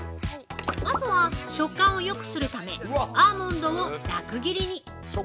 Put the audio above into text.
まずは食感をよくするため、アーモンドをざく切りに。